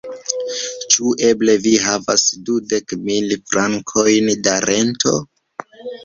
Ĉu eble vi havas dudek mil frankojn da rento?